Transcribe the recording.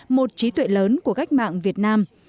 một trí tuệ lớn của cách mạng việt nam